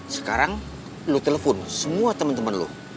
sekarang lo telepon semua teman teman lo